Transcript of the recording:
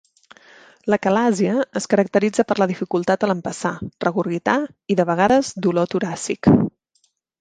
L'acalàsia es caracteritza per la dificultat al empassar, regurgitar i, de vegades, dolor toràcic.